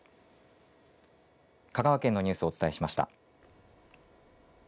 香川県のニュースをお伝えしました。